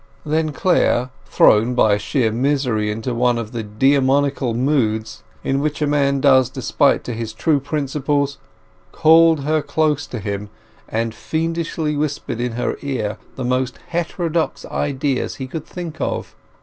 Then Clare, thrown by sheer misery into one of the demoniacal moods in which a man does despite to his true principles, called her close to him, and fiendishly whispered in her ear the most heterodox ideas he could think of.